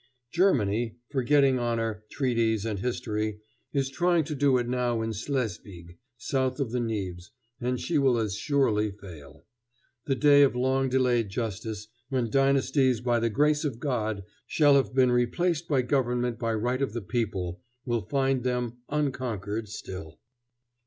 Germany, forgetting honor, treaties, and history, is trying to do it now in Slesvig, south of the Nibs, and she will as surely fail. The day of long delayed justice, when dynasties by the grace of God shall have been replaced by government by right of the people, will find them unconquered still.